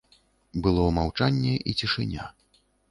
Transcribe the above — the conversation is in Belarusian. Было маўчанне і цішыня.